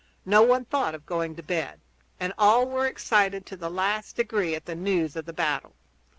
No one thought of going to bed, and all were excited to the last degree at the news of the battle.